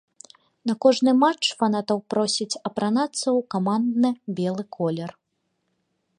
На кожны матч фанатаў просяць апранацца ў камандны белы колер.